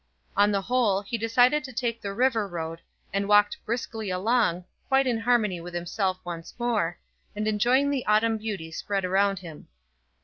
On the whole, he decided to take the river road, and walked briskly along, quite in harmony with himself once more, and enjoying the autumn beauty spread around him.